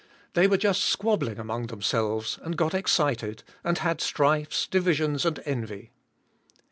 They were just squabbling among themselves and got excited, and had strifes, divisions and envy.